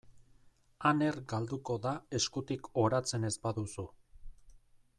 Aner galduko da eskutik oratzen ez baduzu.